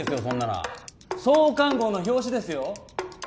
そんなのは創刊号の表紙ですよ